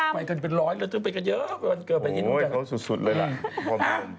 ไปดูพี่บอดดำไปกันเป็นร้อยก็ไปกันเยอะ